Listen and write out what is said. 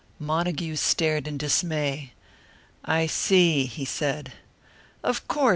Montague stared in dismay. "I see," he said. "Of course!"